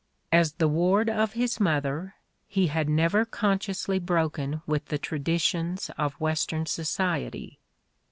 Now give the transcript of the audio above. As the ward of his mother, he had never con '^''sciously broken with the traditions of Western society.